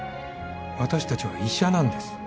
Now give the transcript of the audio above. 私たちは医者なんです。